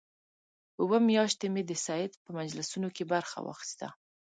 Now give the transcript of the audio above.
اووه میاشتې مې د سید په مجلسونو کې برخه واخیسته.